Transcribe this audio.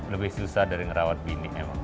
lebih susah dari ngerawat bini emang